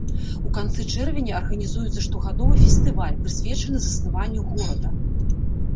У канцы чэрвеня арганізуецца штогадовы фестываль, прысвечаны заснаванню горада.